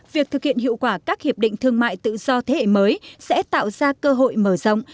việc thực hiện hiệu quả các hiệp định thương mại tự do thế hệ mới sẽ tạo ra cơ hội mở rộng